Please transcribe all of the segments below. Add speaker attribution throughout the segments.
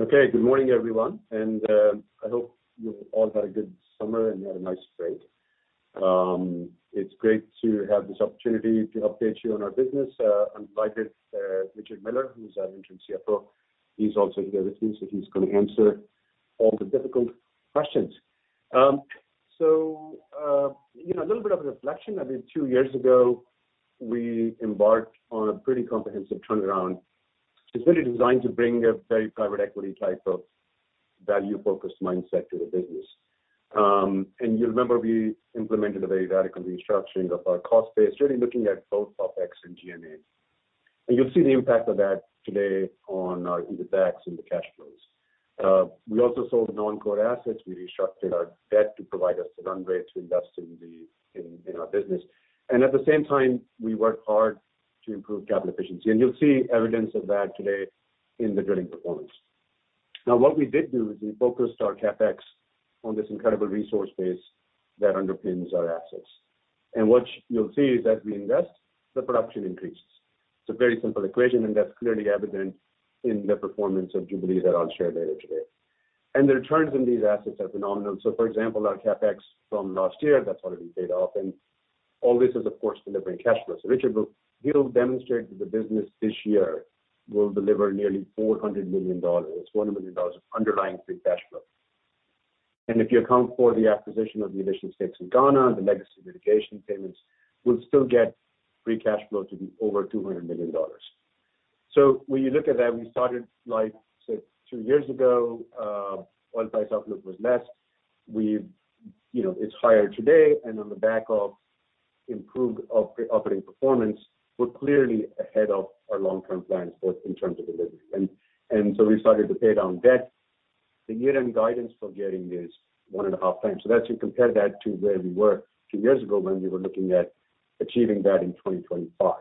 Speaker 1: Okay, good morning, everyone, and I hope you all had a good summer and had a nice break. It's great to have this opportunity to update you on our business. I'm delighted, Richard Miller, who's our interim CFO, he's also here with me, so he's gonna answer all the difficult questions. You know, a little bit of reflection. I mean, two years ago, we embarked on a pretty comprehensive turnaround. It's really designed to bring a very private equity type of value focus mindset to the business. You'll remember we implemented a very radical restructuring of our cost base, really looking at both OpEx and G&A. You'll see the impact of that today on our EBITDAX and the cash flows. We also sold non-core assets. We restructured our debt to provide us the runway to invest in our business. At the same time, we worked hard to improve capital efficiency. You'll see evidence of that today in the drilling performance. Now, what we did do is we focused our CapEx on this incredible resource base that underpins our assets. What you'll see is that we invest, the production increases. It's a very simple equation, and that's clearly evident in the performance of Jubilee that I'll share later today. The returns on these assets are phenomenal. For example, our CapEx from last year, that's already paid off, and all this is of course delivering cash flows. Richard will demonstrate that the business this year will deliver nearly $400 million of underlying free cash flow. If you account for the acquisition of the additional stakes in Ghana, the legacy litigation payments, we'll still get free cash flow to be over $200 million. When you look at that, we started like, say two years ago, oil price outlook was less. You know, it's higher today, and on the back of improved operating performance, we're clearly ahead of our long-term plans both in terms of delivery. so we started to pay down debt. The year-end guidance for gearing is 1.5x. that's to compare that to where we were two years ago when we were looking at achieving that in 2025.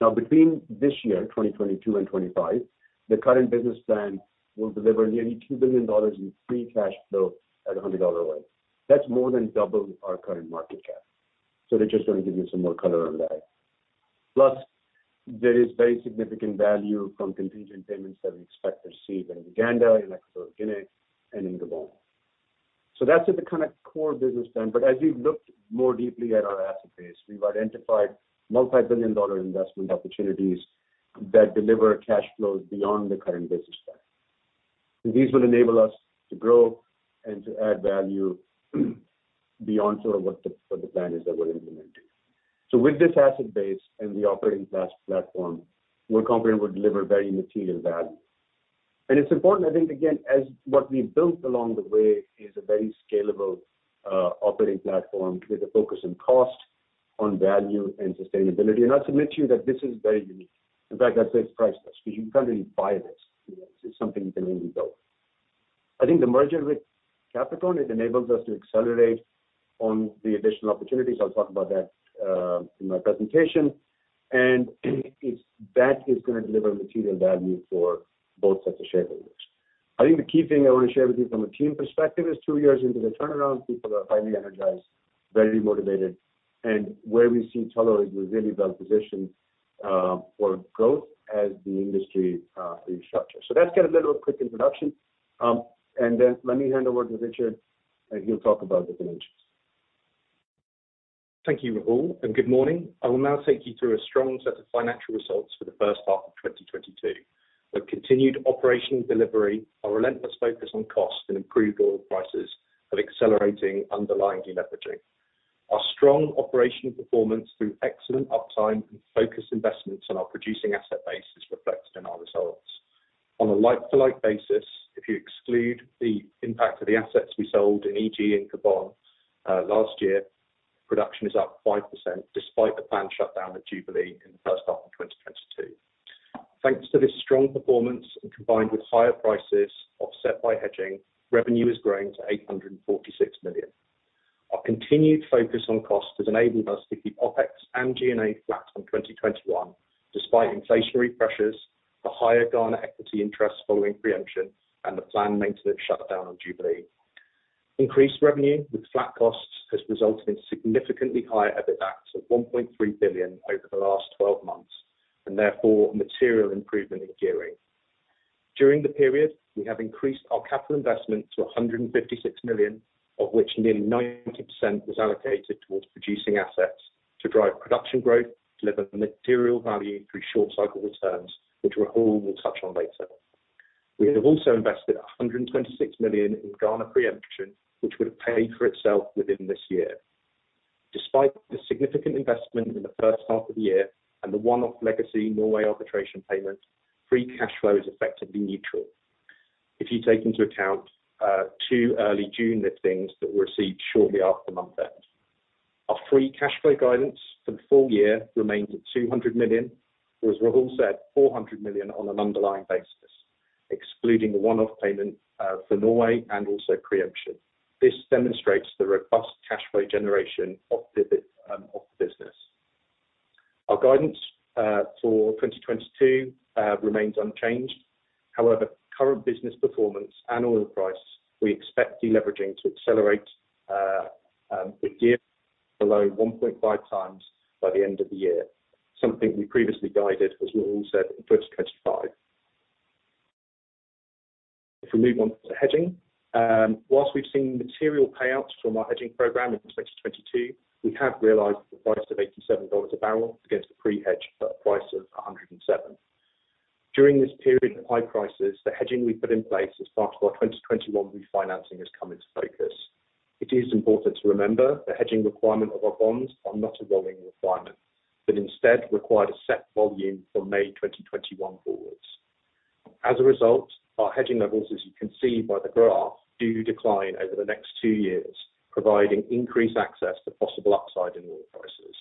Speaker 1: Now, between this year, 2022 and 2025, the current business plan will deliver nearly $2 billion in free cash flow at $100 oil. That's more than double our current market cap. They're just going to give you some more color on that. Plus, there is very significant value from contingent payments that we expect to receive in Uganda, in Equatorial Guinea, and in Gabon. That's at the kind of core business plan. We've looked more deeply at our asset base, we've identified multi-billion dollar investment opportunities that deliver cash flows beyond the current business plan. These will enable us to grow and to add value beyond sort of what the plan is that we're implementing. With this asset base and the operational platform, we're confident we'll deliver very material value. It's important, I think, again, and what we built along the way is a very scalable operating platform with a focus on cost, on value, and sustainability. I submit to you that this is very unique. In fact, I'd say it's priceless because you can't really buy this. You know, this is something you can only build. I think the merger with Capricorn, it enables us to accelerate on the additional opportunities. I'll talk about that in my presentation. That is gonna deliver material value for both sets of shareholders. I think the key thing I wanna share with you from a team perspective is two years into the turnaround, people are highly energized, very motivated, and where we see Tullow is we're really well positioned for growth as the industry restructures. That's kind of little quick introduction, and then let me hand over to Richard, and he'll talk about the financials.
Speaker 2: Thank you, Rahul, and good morning. I will now take you through a strong set of financial results for the first half of 2022. The continued operational delivery, our relentless focus on cost and improved oil prices are accelerating underlying deleveraging. Our strong operational performance through excellent uptime and focused investments on our producing asset base is reflected in our results. On a like-for-like basis, if you exclude the impact of the assets we sold in Egypt and Gabon last year, production is up 5%, despite the planned shutdown at Jubilee in the first half of 2022. Thanks to this strong performance and combined with higher prices offset by hedging, revenue has grown to $846 million. Our continued focus on cost has enabled us to keep OpEx and G&A flat on 2021, despite inflationary pressures, the higher Ghana equity interest following pre-emption, and the planned maintenance shutdown on Jubilee. Increased revenue with flat costs has resulted in significantly higher EBITDAX of $1.3 billion over the last 12 months, and therefore material improvement in gearing. During the period, we have increased our capital investment to $156 million, of which nearly 90% was allocated towards producing assets to drive production growth, deliver material value through short cycle returns, which Rahul will touch on later. We have also invested $126 million in Ghana pre-emption, which would have paid for itself within this year. Despite the significant investment in the first half of the year and the one-off legacy Norway arbitration payment, free cash flow is effectively neutral. If you take into account two early June liftings that were received shortly after month end. Our free cash flow guidance for the full year remains at $200 million, or as Rahul said, $400 million on an underlying basis, excluding the one-off payment for Norway and also pre-emption. This demonstrates the robust cash flow generation of the business. Our guidance for 2022 remains unchanged. However, current business performance and oil price, we expect deleveraging to accelerate with gearing below 1.5x by the end of the year, something we previously guided as Rahul said in 2025. If we move on to hedging, whilst we've seen material payouts from our hedging program in 2022, we have realized the price of $87 a barrel against the pre-hedge price of $107. During this period of high prices, the hedging we put in place as part of our 2021 refinancing has come into focus. It is important to remember the hedging requirement of our bonds are not a rolling requirement, but instead required a set volume from May 2021 forwards. As a result, our hedging levels, as you can see by the graph, do decline over the next two years, providing increased access to possible upside in oil prices.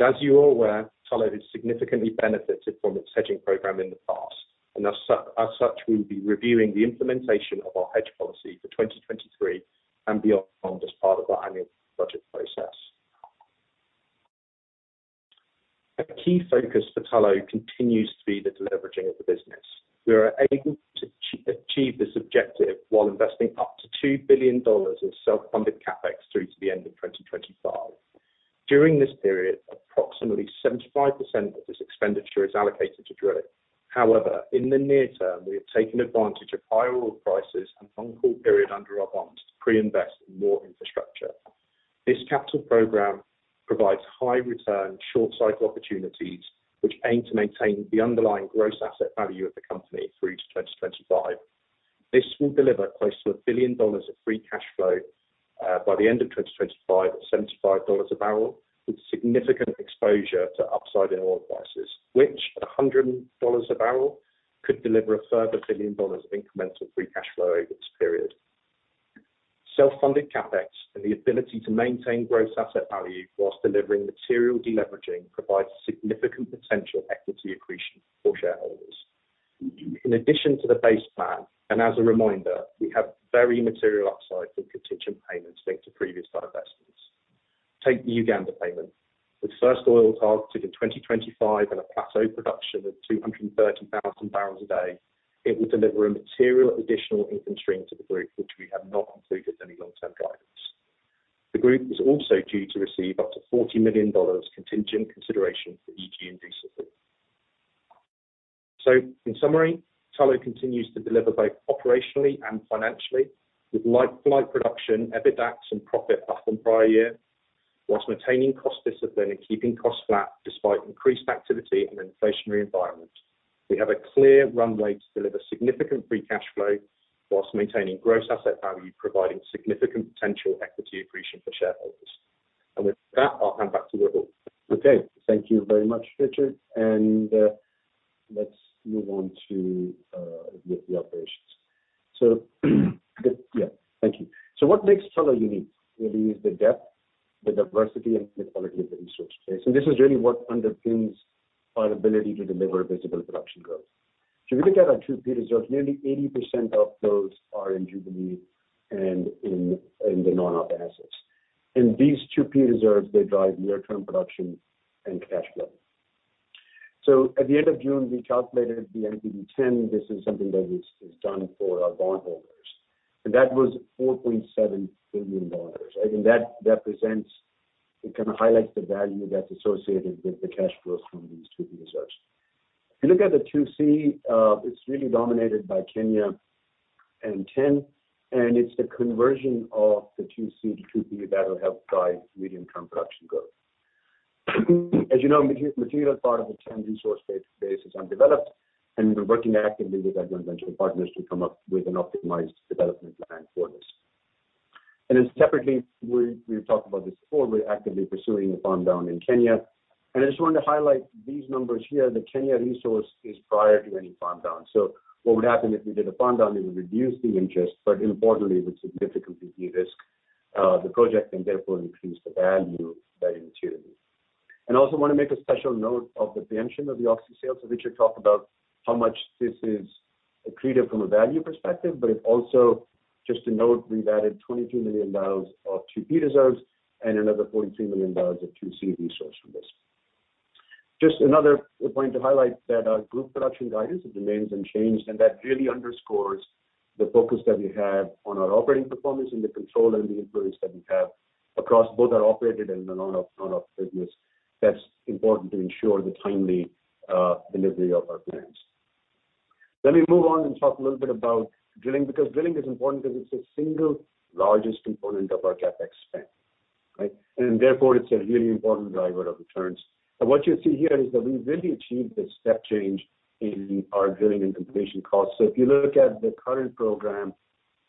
Speaker 2: As you're aware, Tullow has significantly benefited from its hedging program in the past, and as such, we'll be reviewing the implementation of our hedge policy for 2023 and beyond as part of our annual budget process. A key focus for Tullow continues to be the deleveraging of the business. We are able to achieve this objective while investing up to $2 billion in self-funded CapEx through to the end of 2025. During this period, approximately 75% of this expenditure is allocated to drilling. However, in the near term, we have taken advantage of higher oil prices and fungible period under our bonds to pre-invest in more infrastructure. This capital program provides high return, short cycle opportunities, which aim to maintain the underlying gross asset value of the company through to 2025. This will deliver close to $1 billion of free cash flow by the end of 2025 at $75 a barrel, with significant exposure to upside in oil prices, which at $100 a barrel could deliver a further $1 billion of incremental free cash flow over this period. Self-funded CapEx and the ability to maintain gross asset value while delivering material deleveraging provides significant potential equity accretion for shareholders. In addition to the base plan, and as a reminder, we have very material upside from contingent payments linked to previous divestments. Take the Uganda payment, with first oil targeted in 2025 and a plateau production of 230,000 barrels a day, it will deliver a material additional income stream to the group, which we have not included any long-term guidance. The group is also due to receive up to $40 million contingent consideration for EG and Dussafu. In summary, Tullow continues to deliver both operationally and financially with like-for-like production, EBITDA and profit up on prior year, while maintaining cost discipline and keeping costs flat despite increased activity in an inflationary environment. We have a clear runway to deliver significant free cash flow while maintaining gross asset value, providing significant potential equity appreciation for shareholders. With that, I'll hand back to Rahul.
Speaker 1: Okay. Thank you very much, Richard. Let's move on to the operations. Yeah, thank you. What makes Tullow unique really is the depth, the diversity, and the quality of the resource base, and this is really what underpins our ability to deliver visible production growth. If you look at our 2P reserves, nearly 80% of those are in Jubilee and in the non-op assets. These 2P reserves, they drive near term production and cash flow. At the end of June, we calculated the NPV10. This is something that is done for our bondholders, and that was $4.7 billion. I think that represents. It kind of highlights the value that's associated with the cash flows from these 2P reserves. If you look at the 2C, it's really dominated by Kenya and TEN, and it's the conversion of the 2C to 2P that will help drive medium term production growth. As you know, material part of the TEN resource base is undeveloped, and we're working actively with our joint venture partners to come up with an optimized development plan for this. Then separately, we've talked about this before, we're actively pursuing a farm down in Kenya, and I just wanted to highlight these numbers here. The Kenya resource is prior to any farm down. What would happen if we did a farm down, it would reduce the interest, but importantly, it would significantly derisk the project and therefore increase the value therein materially. I also wanna make a special note of the pre-emption of the Oxy sale. Richard talked about how much this is accretive from a value perspective, but it also just to note, we've added 22 million barrels of 2P reserves and another 43 million barrels of 2C resource from this. Just another point to highlight that our group production guidance remains unchanged, and that really underscores the focus that we have on our operating performance and the control and the influence that we have across both our operated and the non-op business. That's important to ensure the timely delivery of our plans. Let me move on and talk a little bit about drilling, because drilling is important because it's the single largest component of our CapEx spend, right? Therefore, it's a really important driver of returns. What you see here is that we've really achieved this step change in our drilling and completion costs. If you look at the current program,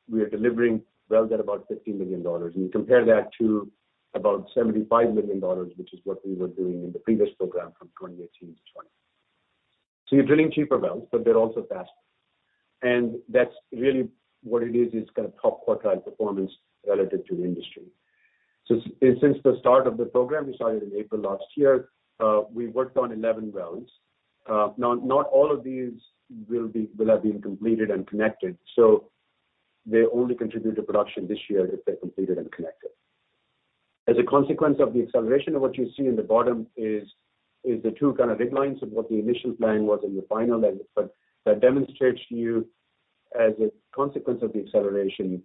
Speaker 1: we are delivering wells at about $15 million, and you compare that to about $75 million, which is what we were doing in the previous program from 2018 to 2020. You're drilling cheaper wells, but they're also faster. That's really what it is, kind of top quartile performance relative to the industry. Since the start of the program, we started in April last year, we worked on 11 wells. Now not all of these will have been completed and connected. They only contribute to production this year if they're completed and connected. As a consequence of the acceleration of what you see in the bottom is the two kind of red lines of what the initial plan was and the final end. That demonstrates to you. As a consequence of the acceleration,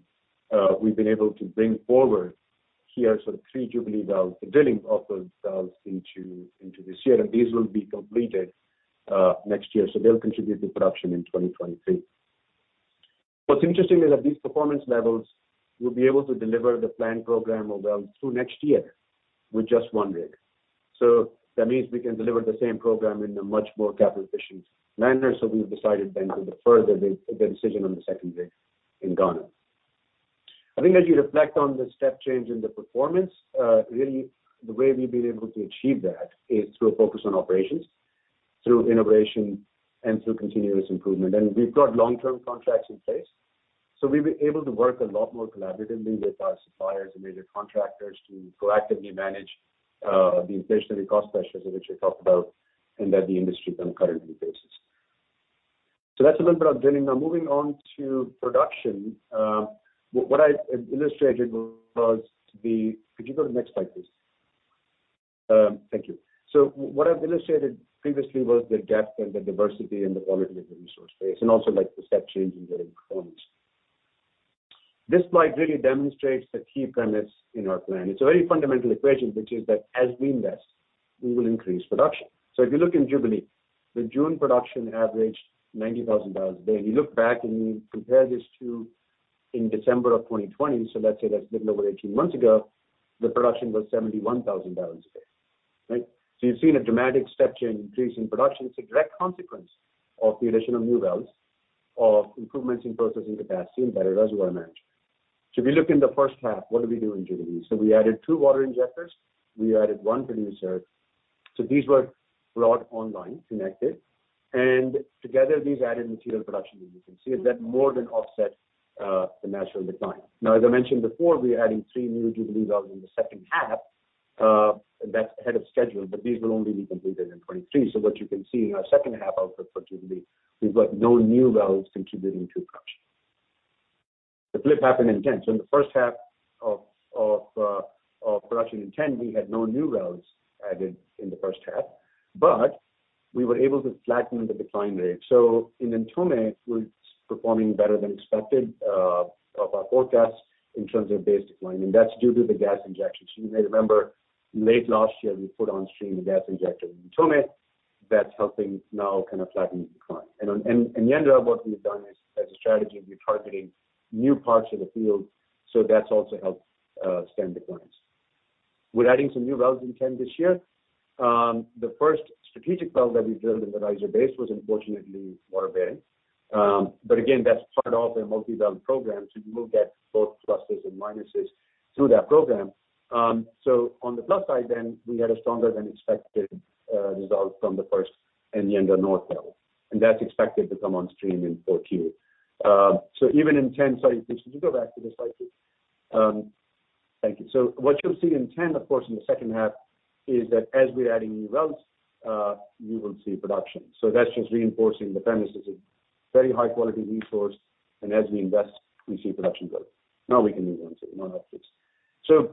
Speaker 1: we've been able to bring forward here sort of three Jubilee wells, the drilling of those wells into this year. These will be completed next year, so they'll contribute to production in 2023. What's interesting is that these performance levels will be able to deliver the planned program well through next year with just one rig. That means we can deliver the same program in a much more capital efficient manner. We've decided then to defer the decision on the second rig in Ghana. I think as you reflect on the step change in the performance, really the way we've been able to achieve that is through a focus on operations, through innovation and through continuous improvement. We've got long-term contracts in place. We've been able to work a lot more collaboratively with our suppliers and major contractors to proactively manage the inflationary cost pressures in which we talked about and that the industry then currently faces. That's a little bit of drilling. Now moving on to production, could you go to the next slide, please? Thank you. What I've illustrated previously was the depth and the diversity and the quality of the resource base, and also like the step change in drilling performance. This slide really demonstrates the key premise in our plan. It's a very fundamental equation, which is that as we invest, we will increase production. If you look in Jubilee, the June production averaged 90,000 barrels a day. You look back and you compare this to in December of 2020, so let's say that's a little over 18 months ago, the production was 71,000 barrels a day, right? You've seen a dramatic step change increase in production. It's a direct consequence of the addition of new wells, of improvements in processing capacity and better reservoir management. If you look in the first half, what did we do in Jubilee? We added two water injectors, we added one producer. These were brought online, connected, and together these added material production, as you can see, that more than offset the natural decline. Now as I mentioned before, we're adding three new Jubilee wells in the second half, that's ahead of schedule, but these will only be completed in 2023. What you can see in our second half output for Jubilee, we've got no new wells contributing to production. The flip happened in TEN. In the first half of production in TEN, we had no new wells added in the first half, but we were able to flatten the decline rate. In Ntomme, we're performing better than expected of our forecast in terms of base decline, and that's due to the gas injections. You may remember late last year, we put on stream a gas injector in Ntomme that's helping now kind of flatten the decline. In the end, what we've done is as a strategy, we're targeting new parts of the field, so that's also helped stem declines. We're adding some new wells in TEN this year. The first strategic well that we drilled in the riser base was unfortunately water bearing. Again, that's part of a multi-well program to look at both pluses and minuses through that program. On the plus side then, we had a stronger than expected result from the first Enyenra North well, and that's expected to come on stream in Q4. Even in TEN. Sorry, could you go back to the slide, please? Thank you. What you'll see in TEN, of course, in the second half is that as we're adding new wells, you will see production. That's just reinforcing the promise of very high quality resource, and as we invest, we see production growth. Now we can move on to non-op please.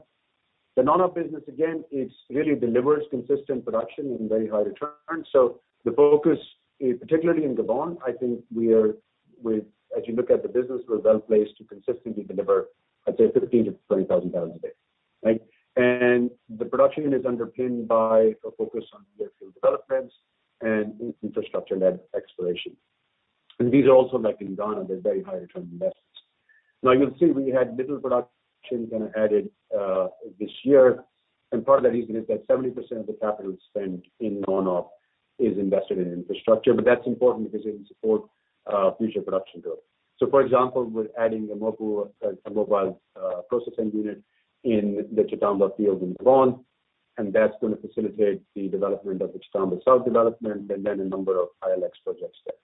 Speaker 1: The non-op business, again, it really delivers consistent production and very high returns. The focus, particularly in Gabon, I think as you look at the business, we're well placed to consistently deliver, I'd say 15,000-20,000 barrels a day, right? The production is underpinned by a focus on near-field developments and infrastructure led exploration. These are also like in Ghana, they're very high return investments. Now you'll see we had little production kind of added, this year, and part of that reason is that 70% of the capital spent in non-op is invested in infrastructure. That's important because it will support future production growth. For example, we're adding a mobile processing unit in the Tchatamba field in Gabon, and that's gonna facilitate the development of the Tchatamba South development and then a number of ILX projects there.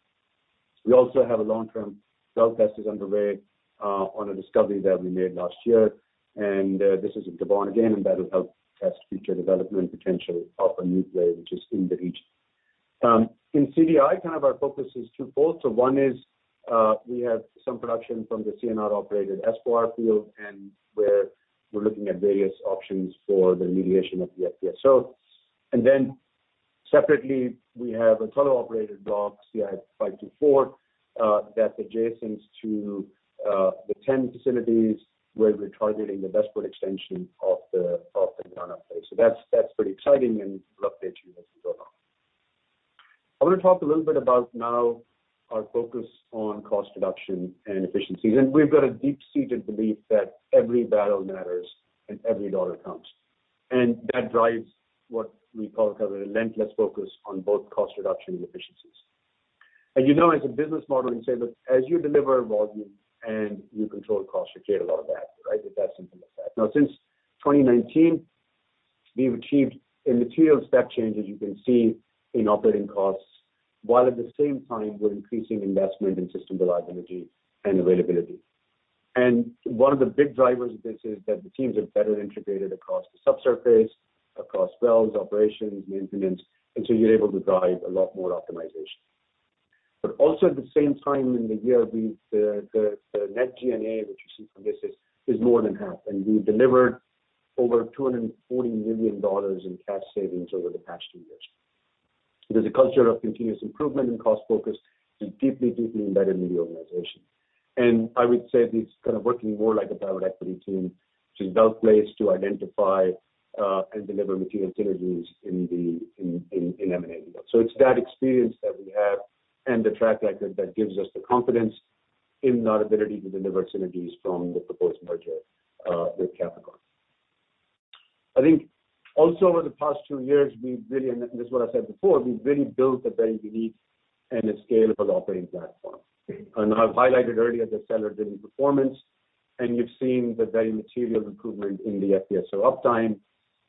Speaker 1: We also have a long-term well test is underway on a discovery that we made last year. This is in Gabon again, and that'll help test future development potential of a new play which is in the East. In CDI, kind of our focus is twofold. One is we have some production from the CNR operated Espoir field and where we're looking at various options for the remediation of the FPSO. Then separately, we have a Tullow operated block, CI-524, that's adjacent to the TEN facilities where we're targeting the westward extension of the Ghana play. That's pretty exciting and we'll update you as we go along. I wanna talk a little bit about now our focus on cost reduction and efficiencies. We've got a deep-seated belief that every barrel matters and every dollar counts. That drives what we call kind of a relentless focus on both cost reduction and efficiencies. You know, as a business model, you say, look, as you deliver volume and you control costs, you create a lot of value, right? That's simple math. Now, since 2019, we've achieved a material step change, as you can see, in operating costs, while at the same time we're increasing investment in system reliability and availability. One of the big drivers of this is that the teams are better integrated across the subsurface, across wells, operations, maintenance, and so you're able to drive a lot more optimization. Also at the same time, in the year, we've the net G&A, which you see from this is more than half, and we've delivered over $240 million in cash savings over the past two years. There's a culture of continuous improvement and cost focus is deeply embedded in the organization. I would say it's kind of working more like a private equity team, which is well-placed to identify and deliver material synergies in M&A deals. It's that experience that we have and the track record that gives us the confidence in our ability to deliver synergies from the proposed merger with Capricorn. I think also over the past two years, we've really built a very unique and a scalable operating platform. I've highlighted earlier the stellar drilling performance, and you've seen the very material improvement in the FPSO uptime,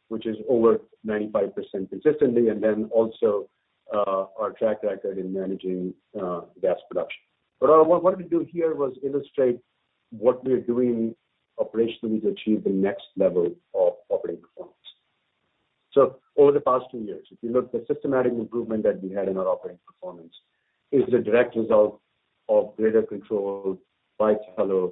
Speaker 1: which is over 95% consistently, and then also, our track record in managing, gas production. We do here was illustrate what we are doing operationally to achieve the next level of operating performance. Over the past two years, if you look the systematic improvement that we had in our operating performance is the direct result of greater control by Tullow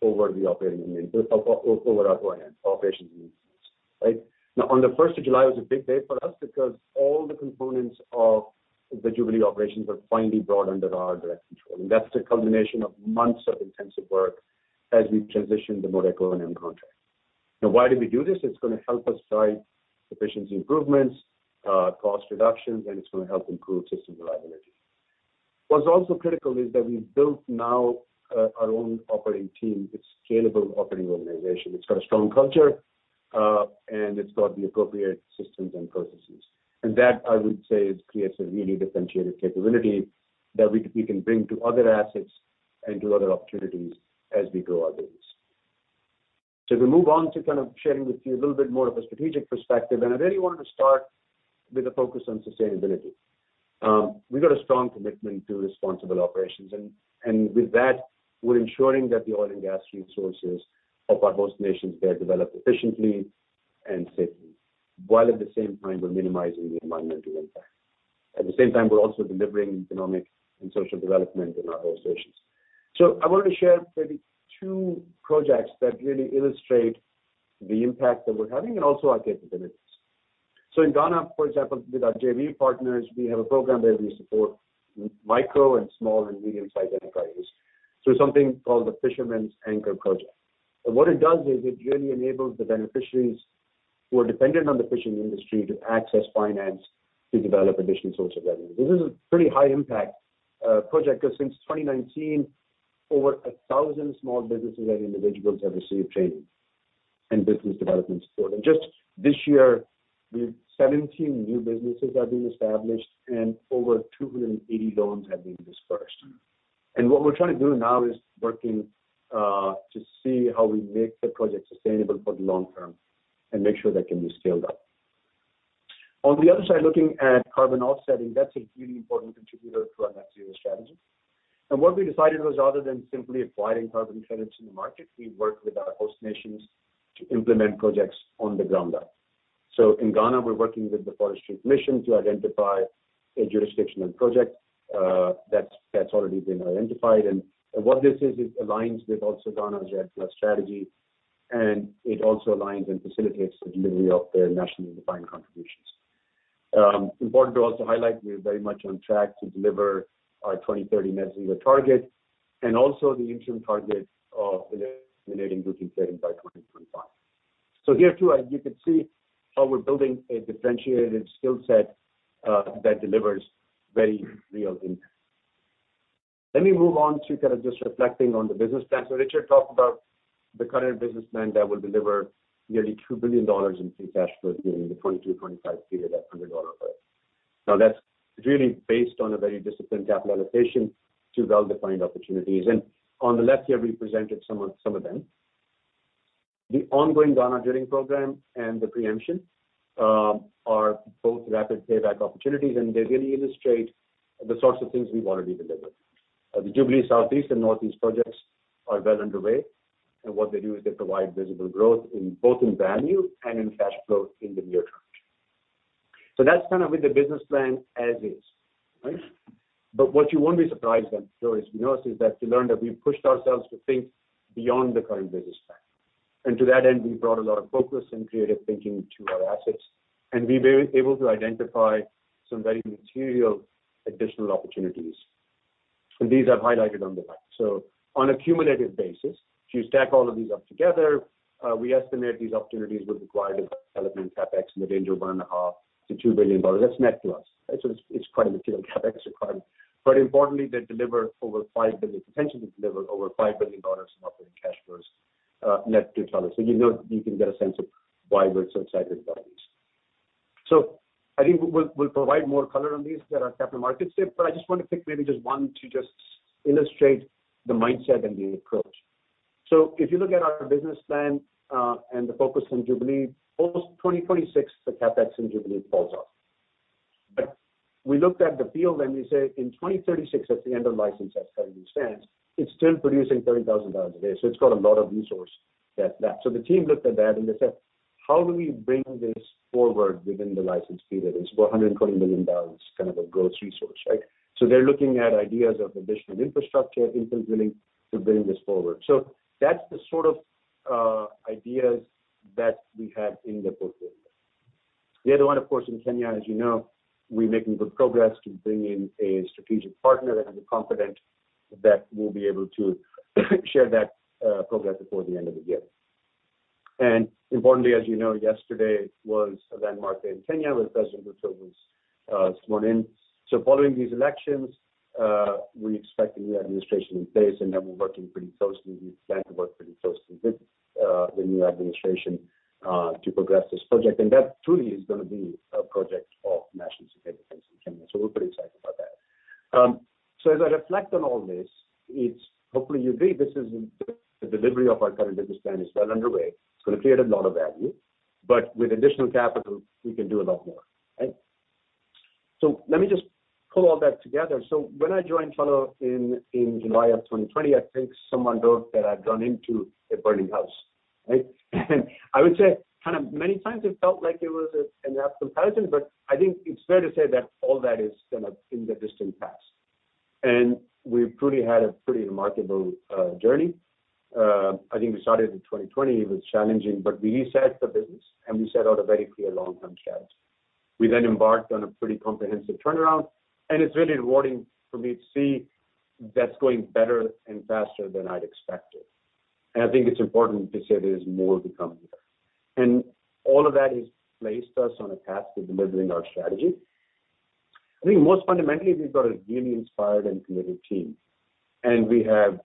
Speaker 1: over the operating environment over our operations in Ghana, right? Now on the first of July, it was a big day for us because all the components of the Jubilee operations are finally brought under our direct control. That's the culmination of months of intensive work as we transition to more equitable contract. Now why do we do this? It's gonna help us drive efficiency improvements, cost reductions, and it's gonna help improve system reliability. What's also critical is that we've built now our own operating team. It's scalable operating organization. It's got a strong culture, and it's got the appropriate systems and processes. That, I would say, creates a really differentiated capability that we can bring to other assets and to other opportunities as we grow our business. We move on to kind of sharing with you a little bit more of a strategic perspective, and I really wanted to start with a focus on sustainability. We've got a strong commitment to responsible operations and with that, we're ensuring that the oil and gas resources of our host nations, they're developed efficiently and safely, while at the same time we're minimizing the environmental impact. At the same time, we're also delivering economic and social development in our host nations. I wanted to share maybe two projects that really illustrate the impact that we're having and also our capabilities. In Ghana, for example, with our JV partners, we have a program where we support micro and small and medium-sized enterprises through something called the Fisherman's Anchor Project. What it does is it really enables the beneficiaries who are dependent on the fishing industry to access finance to develop additional source of revenue. This is a pretty high impact project because since 2019, over 1,000 small businesses and individuals have received training and business development support. Just this year, we've seen 17 new businesses have been established and over 280 loans have been disbursed. What we're trying to do now is working to see how we make the project sustainable for the long term and make sure that can be scaled up. On the other side, looking at carbon offsetting, that's a really important contributor to our net zero strategy. What we decided was, rather than simply acquiring carbon credits in the market, we work with our host nations to implement projects on the ground up. In Ghana, we're working with the Forestry Commission to identify a jurisdictional project that's already been identified. What this is, it aligns with also Ghana's REDD+ strategy, and it also aligns and facilitates the delivery of their Nationally Determined Contributions. Important to also highlight, we are very much on track to deliver our 2030 net zero target and also the interim target of eliminating routine flarings by 2025. Here too, you can see how we're building a differentiated skill set that delivers very real impact. Let me move on to kind of just reflecting on the business plan. Richard talked about the current business plan that will deliver nearly $2 billion in free cash flow during the 2022-2025 period at $100 oil. Now that's really based on a very disciplined capital allocation to well-defined opportunities. On the left here, we presented some of them. The ongoing Ghana drilling program and the pre-emption are both rapid payback opportunities, and they really illustrate the sorts of things we wanna redeliver. The Jubilee Southeast and Northeast projects are well underway, and what they do is they provide visible growth in both in value and in cash flow in the near term. That's kind of with the business plan as is, right? What you won't be surprised then to notice is that to learn that we've pushed ourselves to think beyond the current business plan. To that end, we brought a lot of focus and creative thinking to our assets, and we were able to identify some very material additional opportunities. These I've highlighted on the right. On a cumulative basis, if you stack all of these up together, we estimate these opportunities would require a development CapEx in the range of $1.5 billion-$2 billion. That's net to us. Right? It's quite a material CapEx requirement. Importantly, they potentially deliver over $5 billion in operating cash flows net to Tullow. You know, you can get a sense of why we're so excited about these. I think we'll provide more color on these at our capital markets day, but I just want to pick maybe just one to just illustrate the mindset and the approach. If you look at our business plan and the focus on Jubilee, post-2026, the CapEx in Jubilee falls off. We looked at the field and we say in 2036, at the end of license as currently stands, it's still producing 30,000 barrels a day. It's got a lot of resource left. The team looked at that and they said, "How do we bring this forward within the license period?" It's $140 million kind of a gross resource, right? They're looking at ideas of additional infrastructure, infilling to bring this forward. That's the sort of ideas that we have in the portfolio. The other one, of course, in Kenya, as you know, we're making good progress to bring in a strategic partner that is confident that we'll be able to share that progress before the end of the year. Importantly, as you know, yesterday was a landmark day in Kenya, where President Ruto was sworn in. Following these elections, we expect a new administration in place, and then we're working pretty closely. We plan to work pretty closely with the new administration to progress this project. That truly is gonna be a project of national significance in Kenya. We're pretty excited about that. As I reflect on all this, it's hopefully you agree this is the delivery of our current business plan is well underway. It's gonna create a lot of value. With additional capital, we can do a lot more, right? Let me just pull all that together. When I joined Tullow in January of 2020, I think someone joked that I'd gone into a burning house, right? I would say kind of many times it felt like it was an apt comparison, but I think it's fair to say that all that is kinda in the distant past. We've truly had a pretty remarkable journey. I think we started in 2020. It was challenging, but we reset the business, and we set out a very clear long-term strategy. We embarked on a pretty comprehensive turnaround, and it's really rewarding for me to see that's going better and faster than I'd expected. I think it's important to say there is more to come there. All of that has placed us on a path to delivering our strategy. I think most fundamentally, we've got a really inspired and committed team, and we have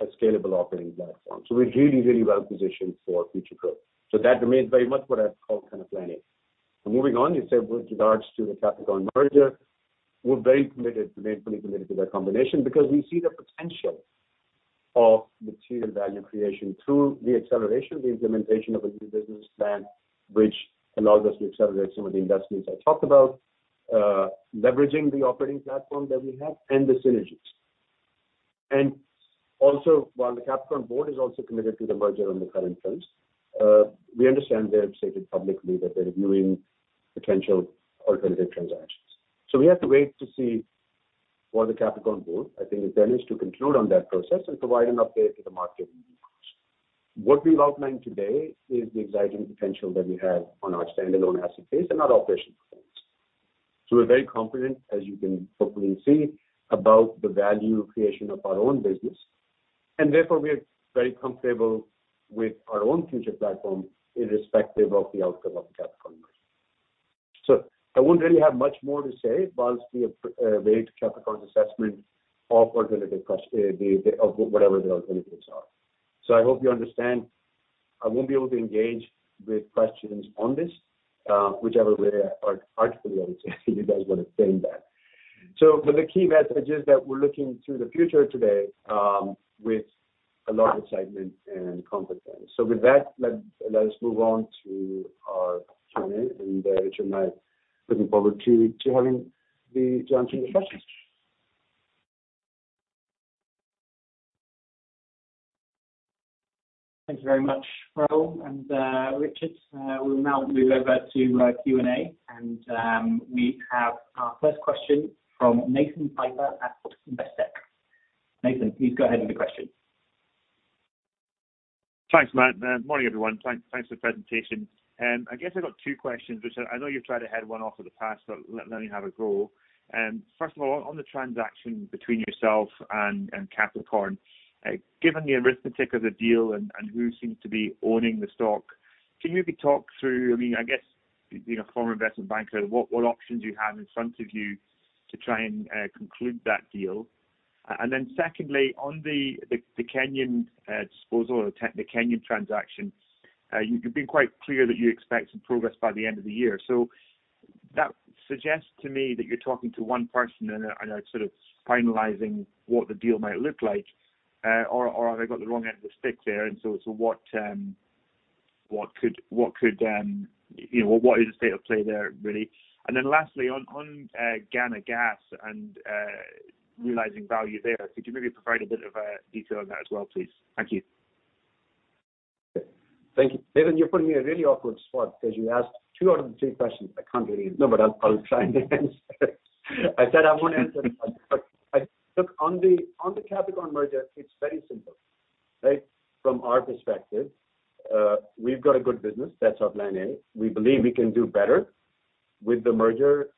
Speaker 1: a scalable operating platform. We're really, really well positioned for future growth. That remains very much what I'd call kind of planning. Moving on, you said with regards to the Capricorn merger, we're very committed, remain fully committed to that combination because we see the potential of material value creation through the acceleration of the implementation of a new business plan which allows us to accelerate some of the investments I talked about, leveraging the operating platform that we have and the synergies. Also, while the Capricorn board is also committed to the merger on the current terms, we understand they have stated publicly that they're reviewing potential alternative transactions. We have to wait to see what the Capricorn board, I think, intends to conclude on that process and provide an update to the market in due course. What we've outlined today is the exciting potential that we have on our standalone asset base and our operational performance. We're very confident, as you can hopefully see, about the value creation of our own business, and therefore we are very comfortable with our own future platform irrespective of the outcome of the Capricorn merger. I won't really have much more to say while we await Capricorn's assessment of alternative whatever the alternatives are. I hope you understand, I won't be able to engage with questions on this, whichever way artfully, I would say, you guys wanna frame that. The key message is that we're looking to the future today with a lot of excitement and confidence. With that, let us move on to our Q&A. Richard and I are looking forward to answering the questions.
Speaker 3: Thank you very much, Rahul and Richard. We'll now move over to Q&A. We have our first question from Nathan Piper at Investec. Nathan, please go ahead with your question.
Speaker 4: Thanks, Matt. Morning, everyone. Thanks for the presentation. I guess I've got two questions which I know you've tried to head one off in the past, but let me have a go. First of all, on the transaction between yourself and Capricorn, given the arithmetic of the deal and who seems to be owning the stock, can you maybe talk through, I mean, I guess, being a former investment banker, what options you have in front of you to try and conclude that deal? Secondly, on the Kenyan disposal or the Kenyan transaction, you've been quite clear that you expect some progress by the end of the year. That suggests to me that you're talking to one person and are sort of finalizing what the deal might look like. Or have I got the wrong end of the stick there? You know, what is the state of play there really? Then lastly on Ghana gas and realizing value there, could you maybe provide a bit of detail on that as well, please? Thank you.
Speaker 1: Thank you. Nathan, you're putting me in a really awkward spot 'cause you asked two out of the three questions. No, but I'll try and answer. I said I won't answer. Look, on the Capricorn merger, it's very simple, right? From our perspective, we've got a good business. That's our plan A. We believe we can do better with the merger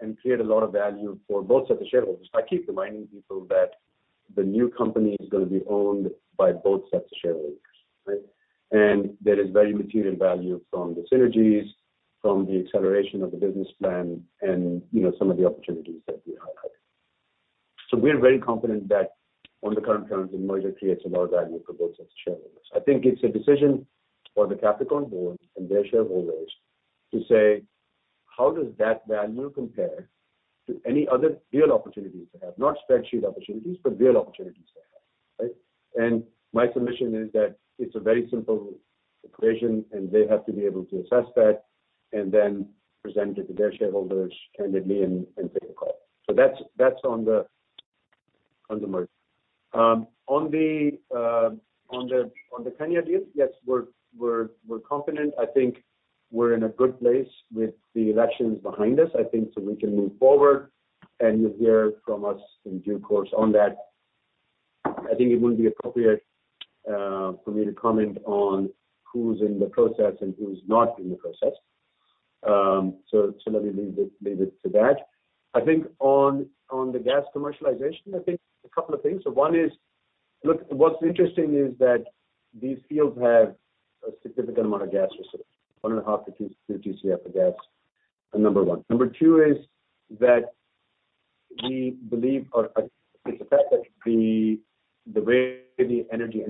Speaker 1: and create a lot of value for both sets of shareholders. I keep reminding people that the new company is gonna be owned by both sets of shareholders, right? There is very material value from the synergies, from the acceleration of the business plan and, you know, some of the opportunities that we highlight. We're very confident that on the current terms, the merger creates a lot of value for both sets of shareholders. I think it's a decision for the Capricorn board and their shareholders to say, "How does that value compare to any other real opportunities they have?" Not spreadsheet opportunities, but real opportunities they have, right? My submission is that it's a very simple equation, and they have to be able to assess that and then present it to their shareholders candidly and take a call. That's on the merger. On the Kenya deal, yes, we're confident. I think we're in a good place with the elections behind us, I think, so we can move forward, and you'll hear from us in due course on that. I think it wouldn't be appropriate for me to comment on who's in the process and who's not in the process. Let me leave it to that. I think on the gas commercialization, I think a couple of things. One is, look, what's interesting is that these fields have a significant amount of gas reserves, 1.5-2 TCF of gas are number one. Number two is that it's the fact that the way the energy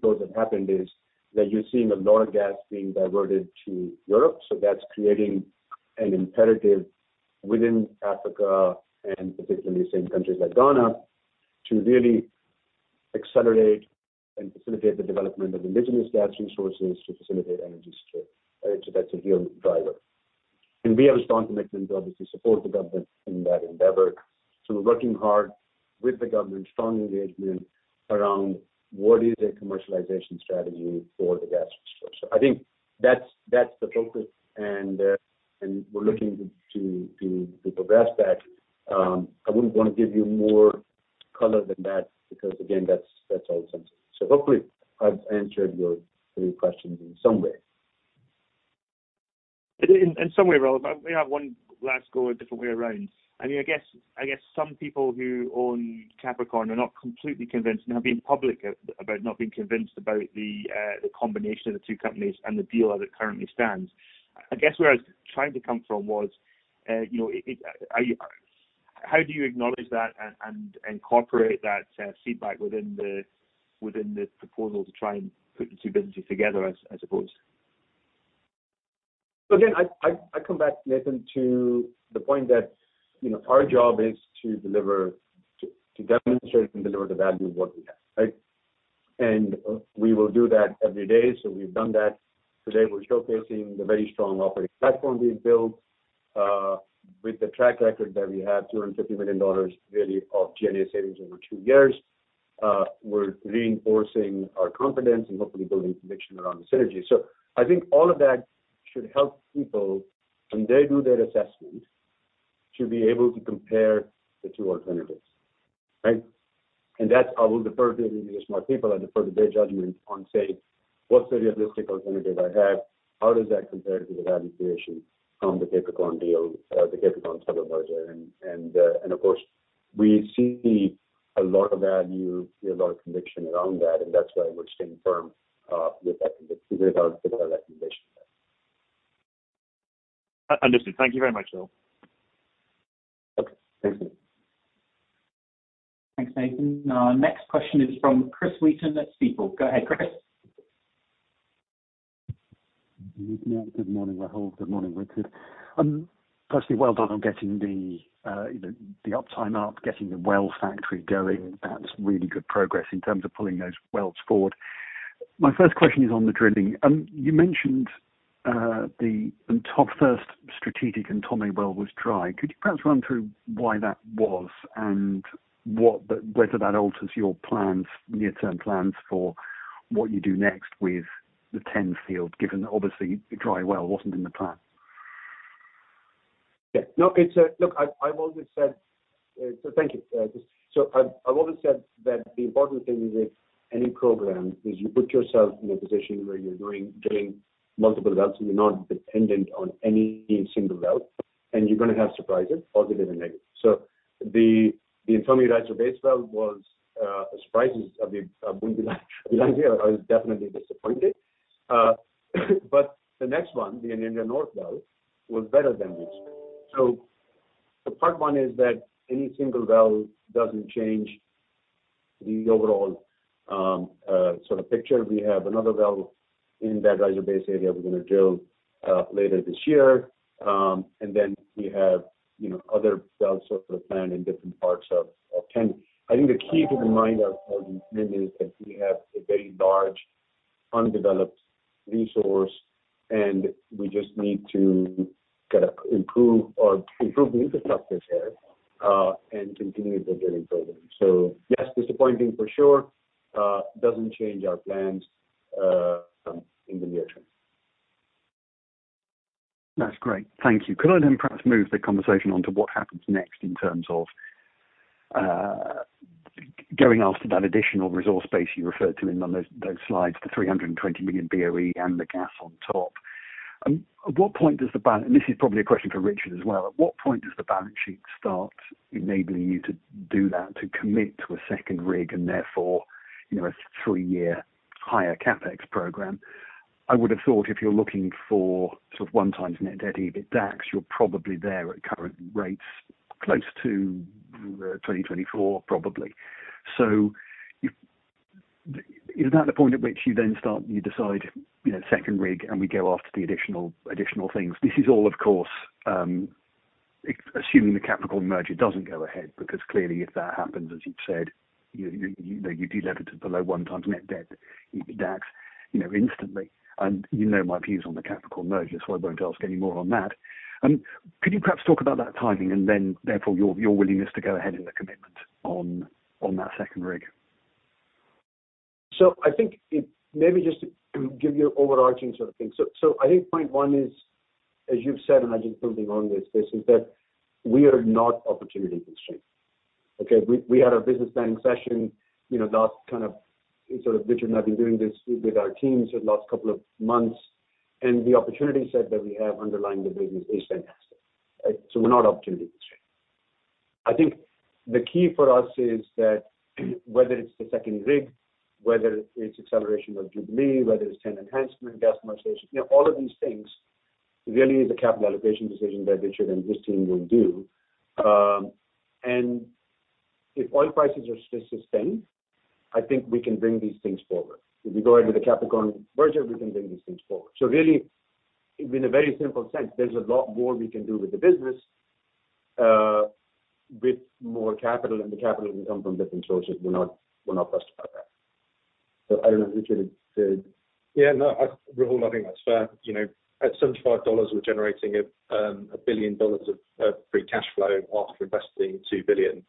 Speaker 1: flows have happened is that you're seeing lower gas being diverted to Europe. That's creating an imperative within Africa, and particularly the same countries like Ghana to really accelerate and facilitate the development of indigenous gas resources to facilitate energy security. That's a real driver. We have a strong commitment to obviously support the government in that endeavor. We're working hard with the government, strong engagement around what is a commercialization strategy for the gas resource. I think that's the focus and we're looking to progress that. I wouldn't wanna give you more color than that because again, that's all sensitive. Hopefully I've answered your three questions in some way.
Speaker 4: In some way, Rahul. May I have one last go a different way around. I mean, I guess some people who own Capricorn are not completely convinced and have been public about not being convinced about the combination of the two companies and the deal as it currently stands. I guess where I was trying to come from was, you know, how do you acknowledge that and incorporate that feedback within the proposal to try and put the two businesses together, as I suppose?
Speaker 1: Again, I come back, Nathan, to the point that, you know, our job is to deliver, to demonstrate and deliver the value of what we have, right? We will do that every day. We've done that. Today, we're showcasing the very strong operating platform we've built, with the track record that we have, $250 million really of G&A savings over two years. We're reinforcing our confidence and hopefully building conviction around the synergy. I think all of that should help people, when they do their assessment, to be able to compare the two alternatives. Right? That's. I will defer to the smart people. I defer to their judgment on say, "What's the realistic alternative I have? How does that compare to the value creation from the Capricorn deal, the Capricorn total budget? Of course, we see a lot of value, we have a lot of conviction around that, and that's why we're staying firm with that conviction with our recommendation there.
Speaker 4: Understood. Thank you very much, Rahul.
Speaker 1: Okay. Thanks, Nathan.
Speaker 3: Thanks, Nathan. Now our next question is from Chris Wheaton at Stifel. Go ahead, Chris.
Speaker 5: Good morning, Rahul. Good morning, Richard. Firstly, well done on getting the uptime up, getting the well factory going. That's really good progress in terms of pulling those wells forward. My first question is on the drilling. You mentioned the first strategic and Ntomme well was dry. Could you perhaps run through why that was and whether that alters your plans, near-term plans for what you do next with the TEN field, given that obviously the dry well wasn't in the plan?
Speaker 1: Look, I've always said that the important thing with any program is you put yourself in a position where you're drilling multiple wells, and you're not dependent on any single well, and you're gonna have surprises, positive and negative. The Ntomme riser base well was a surprise. I mean, I was definitely disappointed. But the next one, the Enyenra North well, was better than we expected. Part one is that any single well doesn't change the overall sort of picture. We have another well in that riser base area we're gonna drill later this year. Then we have, you know, other wells sort of planned in different parts of TEN. I think the key to remind our listeners is that we have a very large undeveloped resource, and we just need to kind of improve the infrastructure there, and continue the drilling program. Yes, disappointing for sure. Doesn't change our plans in the near term.
Speaker 5: That's great. Thank you. Could I then perhaps move the conversation on to what happens next in terms of going after that additional resource base you referred to on those slides, the 320 million BOE and the gas on top? At what point does the balance sheet start enabling you to do that, to commit to a second rig and therefore, you know, a three-year higher CapEx program? I would have thought if you're looking for sort of one times net debt EBITDAX, you're probably there at current rates close to 2024 probably. Is that the point at which you then start, you decide, you know, second rig, and we go after the additional things? This is all of course, assuming the Capricorn merger doesn't go ahead because clearly if that happens, as you've said, you know, you delever to below 1x net debt EBITDAX, you know, instantly. You know my views on the Capricorn merger, so I won't ask any more on that. Could you perhaps talk about that timing and then therefore your willingness to go ahead in the commitment on that second rig?
Speaker 1: I think point one is, as you've said, and I'm just building on this is that we are not opportunity constrained. Okay. We had our business planning session, you know, last kind of sort of Richard and I have been doing this with our teams the last couple of months, and the opportunity set that we have underlying the business is fantastic. We're not opportunity constrained. I think the key for us is that whether it's the second rig, whether it's acceleration of Jubilee, whether it's TEN enhancement, gas monetization, you know, all of these things really is a capital allocation decision that Richard and his team will do. If oil prices are sustained, I think we can bring these things forward. If we go into the Capricorn merger, we can bring these things forward. Really, in a very simple sense, there's a lot more we can do with the business, with more capital, and the capital can come from different sources. We're not fussed about that. I don't know if Richard said.
Speaker 2: Rahul, I think that's fair. You know, at $75, we're generating $1 billion of free cash flow after investing $2 billion.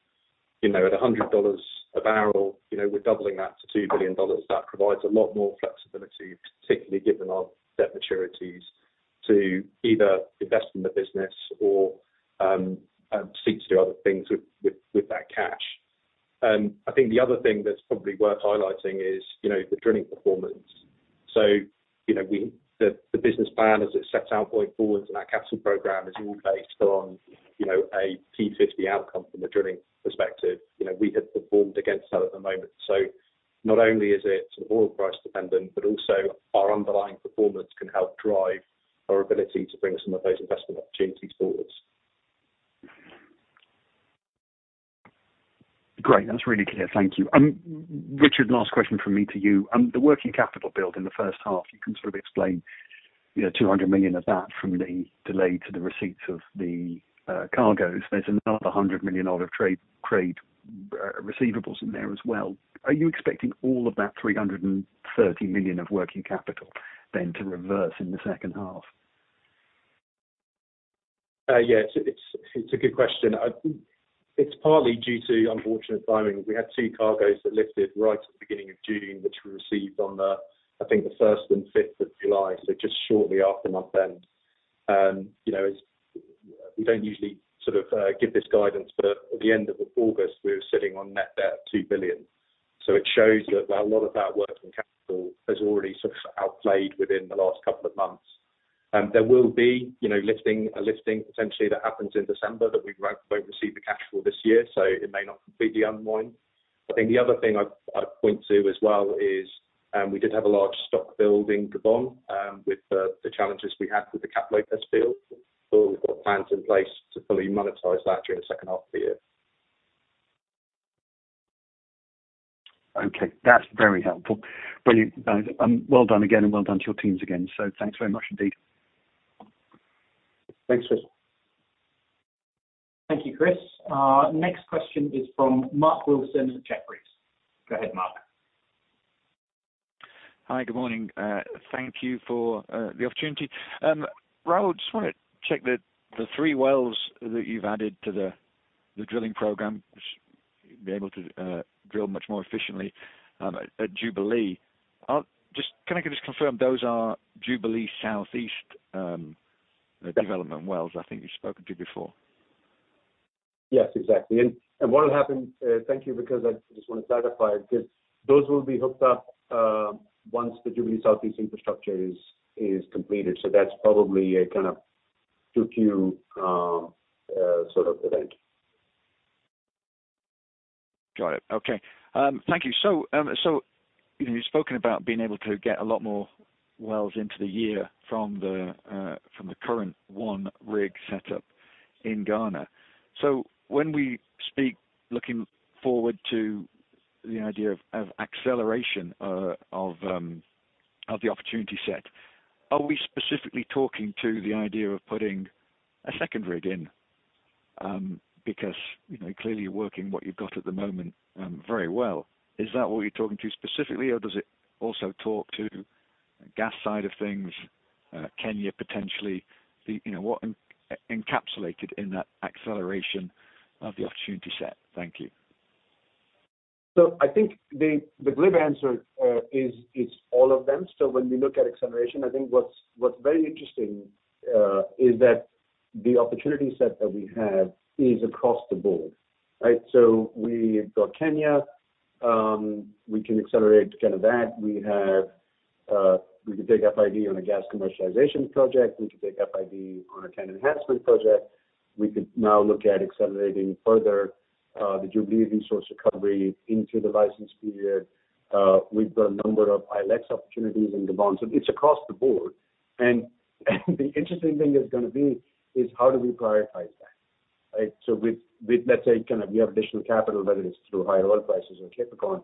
Speaker 2: You know, at $100 a barrel, you know, we're doubling that to $2 billion. That provides a lot more flexibility, particularly given our debt maturities, to either invest in the business or seek to do other things with that cash. I think the other thing that's probably worth highlighting is, you know, the drilling performance. You know, the business plan as it sets out going forward and our capital program is all based on, you know, a P50 outcome from a drilling perspective. You know, we have performed against that at the moment. Not only is it sort of oil price dependent, but also our underlying performance can help drive our ability to bring some of those investment opportunities forward.
Speaker 5: Great. That's really clear. Thank you. Richard, last question from me to you. The working capital build in the first half, you can sort of explain, you know, $200 million of that from the delay to the receipts of the cargos. There's another $100 million odd of trade receivables in there as well. Are you expecting all of that $330 million of working capital then to reverse in the second half?
Speaker 2: Yes, it's a good question. I think it's partly due to unfortunate timing. We had two cargos that lifted right at the beginning of June, which we received on the, I think, the first and fifth of July, so just shortly after month end. You know, we don't usually sort of give this guidance, but at the end of August, we were sitting on net debt of $2 billion. So it shows that a lot of that working capital has already sort of played out within the last couple of months. There will be, you know, a lifting potentially that happens in December that we won't receive the cash for this year, so it may not completely unwind. I think the other thing I'd point to as well is, we did have a large stock build in Gabon, with the challenges we had with the Tchatamba test field. We've got plans in place to fully monetize that during the second half of the year.
Speaker 5: Okay, that's very helpful. Brilliant, guys. Well done again and well done to your teams again. Thanks very much indeed.
Speaker 2: Thanks, Chris.
Speaker 3: Thank you, Chris. Next question is from Mark Wilson of Jefferies. Go ahead, Mark.
Speaker 6: Hi, good morning. Thank you for the opportunity. Rahul, just wanna check the three wells that you've added to the drilling program, be able to drill much more efficiently at Jubilee. Can I just confirm those are Jubilee Southeast development wells I think you've spoken to before?
Speaker 1: Yes, exactly. What will happen, thank you, because I just want to clarify, 'cause those will be hooked up once the Jubilee Southeast infrastructure is completed. That's probably a kind of 2Q sort of event.
Speaker 6: Got it. Okay. Thank you. You've spoken about being able to get a lot more wells into the year from the current one rig setup in Ghana. When we speak, looking forward to the idea of acceleration of the opportunity set, are we specifically talking to the idea of putting a second rig in? Because, you know, clearly you're working what you've got at the moment very well. Is that what you're talking to specifically, or does it also talk to gas side of things, Kenya potentially? You know, what encapsulated in that acceleration of the opportunity set? Thank you.
Speaker 1: I think the glib answer is all of them. When we look at acceleration, I think what's very interesting is that the opportunity set that we have is across the board, right? We've got Kenya, we can accelerate kind of that. We can take FID on a gas commercialization project. We can take FID on a TEN enhancement project. We could now look at accelerating further, the Jubilee resource recovery into the license period. We've got a number of ILX opportunities in Gabon. It's across the board. The interesting thing is gonna be how do we prioritize that, right? With, let's say kind of we have additional capital, whether it's through higher oil prices or Capricorn,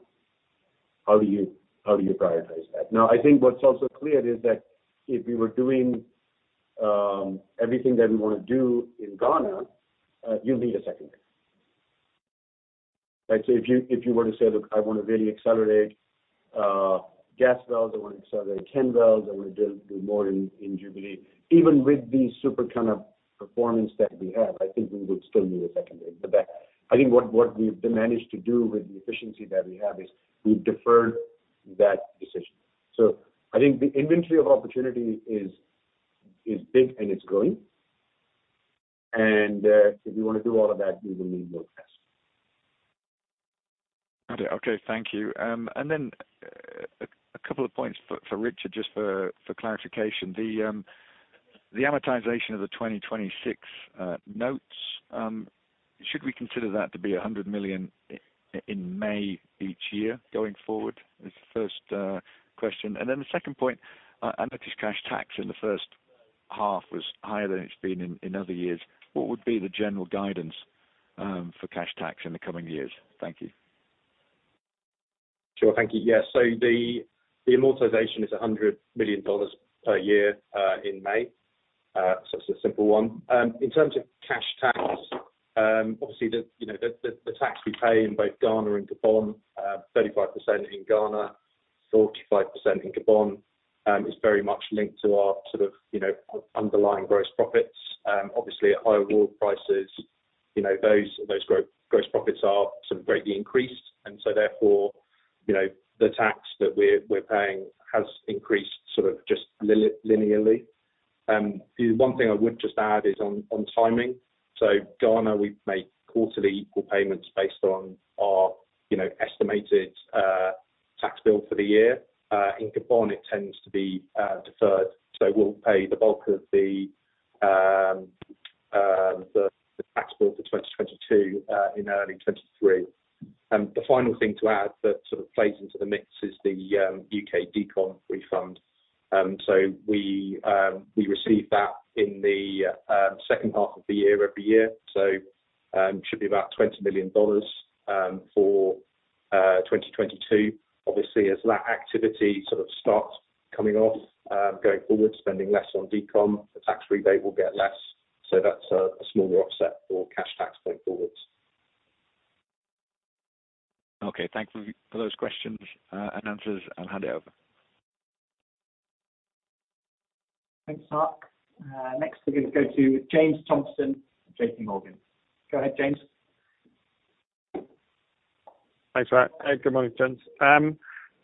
Speaker 1: how do you prioritize that? Now, I think what's also clear is that if we were doing everything that we wanna do in Ghana, you'll need a second rig. Right? If you were to say, "Look, I wanna really accelerate gas wells, I wanna accelerate 10 wells, I wanna drill more in Jubilee," even with the super kind of performance that we have, I think we would still need a second rig. I think what we've managed to do with the efficiency that we have is we've deferred that decision. I think the inventory of opportunity is big and it's growing. If we wanna do all of that, we will need more gas.
Speaker 6: Okay, thank you. A couple of points for Richard, just for clarification. The amortization of the 2026 notes, should we consider that to be $100 million in May each year going forward? That's the first question. The second point, I noticed cash tax in the first half was higher than it's been in other years. What would be the general guidance for cash tax in the coming years? Thank you.
Speaker 2: Sure. Thank you. Yes, the amortization is $100 million per year in May. It's a simple one. In terms of cash tax, obviously the tax we pay in both Ghana and Gabon, 35% in Ghana, 45% in Gabon, is very much linked to our sort of underlying gross profits. Obviously at higher oil prices, you know, those gross profits are greatly increased. Therefore, you know, the tax that we're paying has increased sort of just linearly. The one thing I would just add is on timing. Ghana, we make quarterly equal payments based on our estimated tax bill for the year. In Gabon it tends to be deferred. We'll pay the bulk of the tax bill for 2022 in early 2023. The final thing to add that sort of plays into the mix is the UK decom refund. We receive that in the second half of the year every year. Should be about $20 million for 2022. Obviously as that activity sort of starts coming off, going forward, spending less on decom, the tax rebate will get less. That's a small offset for cash tax going forward.
Speaker 6: Okay. Thank you for those questions, and answers. I'll hand it over.
Speaker 3: Thanks, Mark. Next we're gonna go to James Thompson, J.P. Morgan. Go ahead, James.
Speaker 7: Thanks for that. Good morning, gents.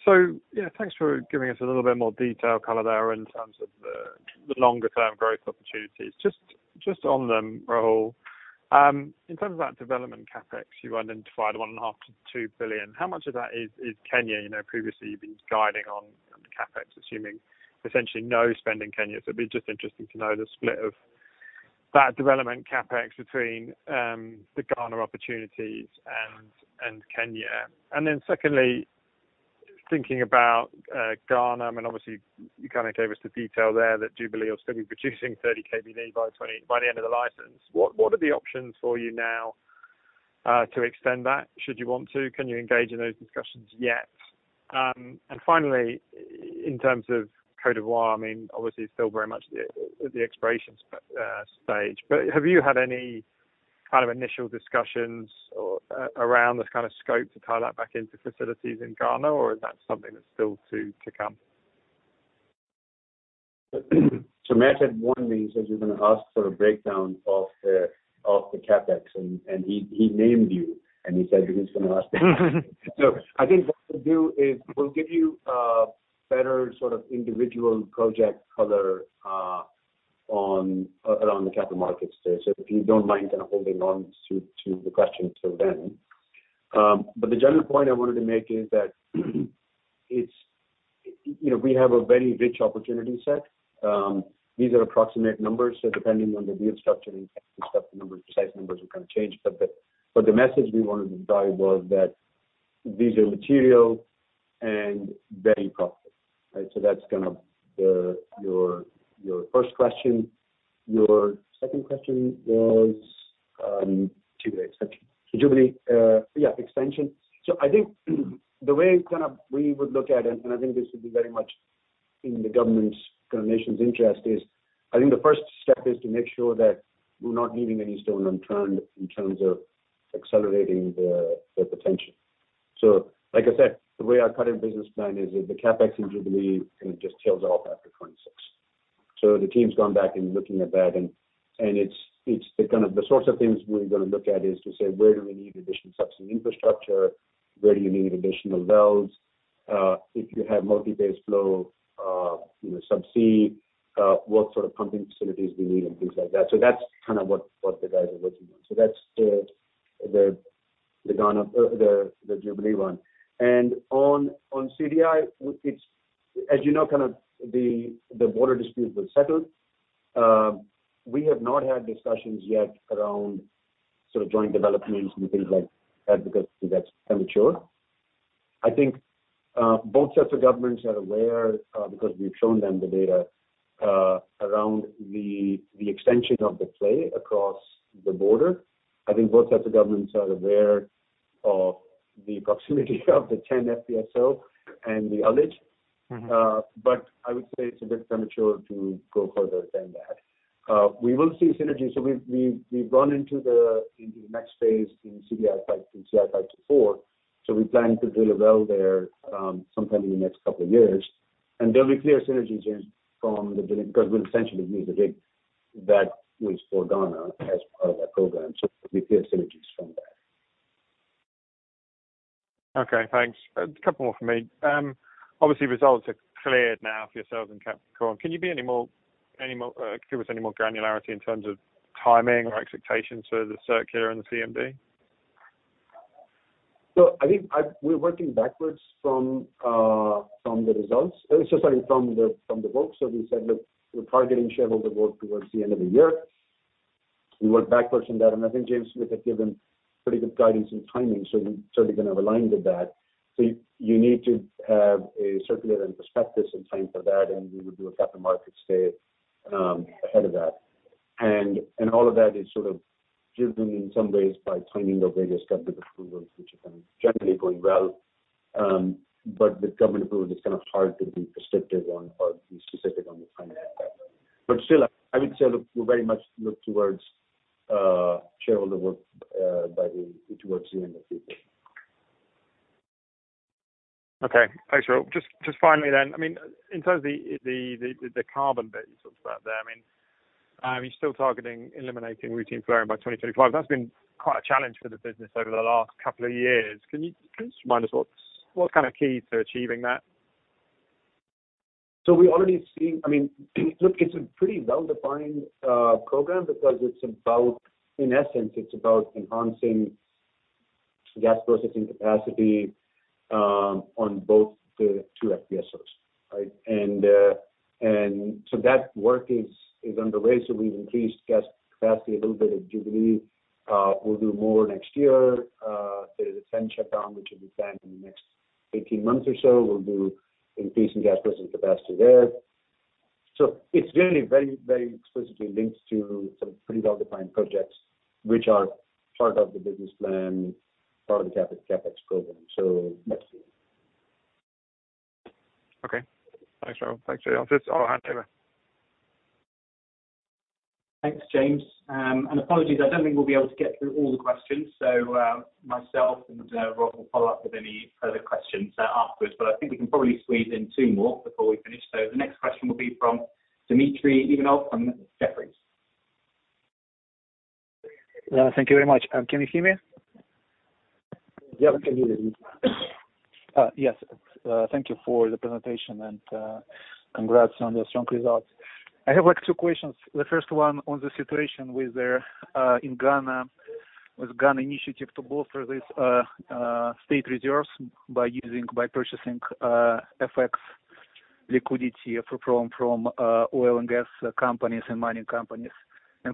Speaker 7: So yeah, thanks for giving us a little bit more detail color there in terms of the longer term growth opportunities. Just on the roll, in terms of that development CapEx, you identified $1.5 billion-$2 billion. How much of that is Kenya? You know, previously you've been guiding on CapEx, assuming essentially no spend in Kenya. It'd be just interesting to know the split of that development CapEx between the Ghana opportunities and Kenya. Then secondly, thinking about Ghana, I mean, obviously you kind of gave us the detail there that Jubilee will still be producing 30 kboepd by the end of the license. What are the options for you now to extend that, should you want to? Can you engage in those discussions yet? In terms of Côte d'Ivoire, I mean, obviously it's still very much the exploration stage. Have you had any kind of initial discussions around this kind of scope to tie that back into facilities in Ghana? Or is that something that's still to come?
Speaker 1: Matt had warned me. He says you're gonna ask for a breakdown of the CapEx. He named you, and he said you're just gonna ask him. I think what we'll do is we'll give you a better sort of individual project color around the Capital Markets Day. If you don't mind kind of holding on to the question till then. But the general point I wanted to make is that it's, you know, we have a very rich opportunity set. These are approximate numbers, so depending on the deal structure and stuff, the precise numbers are gonna change. But the message we wanted to drive was that these are material and very profitable, right? That's kind of your first question. Your second question was Jubilee expansion. I think the way kind of we would look at it, and I think this would be very much in the government's, kind of nation's interest, is I think the first step is to make sure that we're not leaving any stone unturned in terms of accelerating the potential. Like I said, the way our current business plan is, the CapEx in Jubilee kind of just tails off after 2026. The team's gone back in looking at that and it's the kind of sorts of things we're gonna look at is to say, where do we need additional substantive infrastructure? Where do you need additional wells? If you have multi-phase flow, you know, subsea, what sort of pumping facilities we need and things like that. That's kind of what the guys are working on. That's the Ghana, the Jubilee one. On Côte d'Ivoire, it's as you know, kind of the border dispute was settled. We have not had discussions yet around sort of joint developments and things like that because that's premature. I think both sets of governments are aware because we've shown them the data around the extension of the play across the border. I think both sets of governments are aware of the proximity of the TEN FPSO and the Alizé.
Speaker 7: Mm-hmm.
Speaker 1: I would say it's a bit premature to go further than that. We will see synergy. We've gone into the next phase in Côte d'Ivoire. From CI-524. We plan to drill a well there sometime in the next couple of years, and there'll be clear synergies from the drilling because we'll essentially use the rig that was for Ghana as part of our program. There'll be clear synergies from that.
Speaker 7: Okay, thanks. A couple more for me. Obviously results are cleared now for yourselves and Capricorn. Can you give us any more granularity in terms of timing or expectations for the circular and the CMD?
Speaker 1: I think we're working backwards from the vote. We said, look, we're targeting shareholder vote towards the end of the year. We work backwards from that, and I think James, we had given pretty good guidance and timing, so we're gonna align with that. You need to have a circular and prospectus in time for that, and we would do a capital markets day ahead of that. All of that is sort of driven in some ways by timing of various government approvals, which have been generally going well, but the government approval is kind of hard to be prescriptive on or be specific on the timing of that. I would say, look, we very much look towards shareholder vote towards the end of Q4.
Speaker 7: Okay. Thanks, Rahul. Just finally, I mean, in terms of the carbon bit you talked about there, I mean, you're still targeting eliminating routine flaring by 2025. That's been quite a challenge for the business over the last couple of years. Can you just remind us what's kind of key to achieving that?
Speaker 1: We already see. I mean, look, it's a pretty well-defined program because it's about, in essence, it's about enhancing gas processing capacity on both the two FPSOs, right? That work is underway. We've increased gas capacity a little bit at Jubilee. We'll do more next year. There's a TEN shutdown which will be done in the next 18 months or so. We'll do increase in gas processing capacity there. It's really very, very explicitly linked to some pretty well-defined projects, which are part of the business plan, part of the CapEx program. That's it.
Speaker 8: Okay. Thanks, Rahul. Thanks for your office. I'll hand to Eva.
Speaker 3: Thanks, James. Apologies, I don't think we'll be able to get through all the questions. Myself and Rob will follow up with any further questions afterwards. I think we can probably squeeze in two more before we finish. The next question will be from Dmitry Ivanov from Jefferies.
Speaker 8: Thank you very much. Can you hear me?
Speaker 1: Yeah, we can hear you.
Speaker 8: Yes. Thank you for the presentation and congrats on the strong results. I have, like, two questions. The first one on the situation with the in Ghana, with Ghana initiative to bolster this state reserves by purchasing FX liquidity from oil and gas companies and mining companies.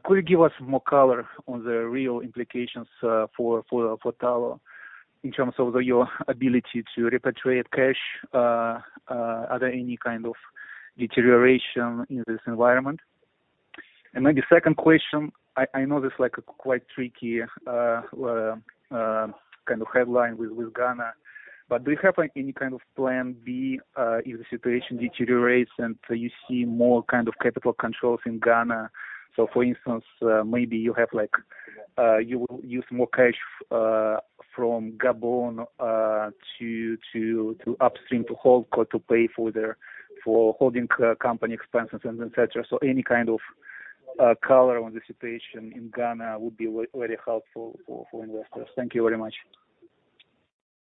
Speaker 8: Could you give us more color on the real implications for Tullow in terms of your ability to repatriate cash? Are there any kind of deterioration in this environment? Then the second question, I know it's like a quite tricky kind of headline with Ghana, but do you have, like, any kind of plan B if the situation deteriorates, and you see more kind of capital controls in Ghana? For instance, maybe you have like, you will use more cash from Gabon to upstream to hold or to pay for holding company expenses and etc. Any kind of color on the situation in Ghana would be very helpful for investors. Thank you very much.